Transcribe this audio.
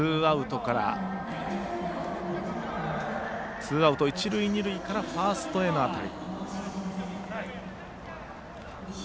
ツーアウト、一塁二塁からファーストへの当たり。